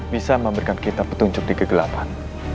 bisa memberikan kita petunjuk di kegelapan